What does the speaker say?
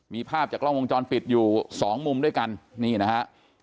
มีภาพจากกล้องวงจรปิดอยู่สองมุมด้วยกันนี่นะฮะ